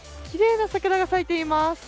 きれいな桜が咲いています。